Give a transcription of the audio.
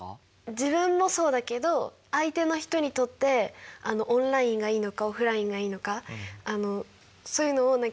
自分もそうだけど相手の人にとってオンラインがいいのかオフラインがいいのか。